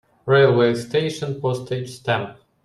Railway station Postage stamp.